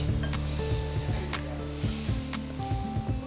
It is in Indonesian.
ibu apa kabar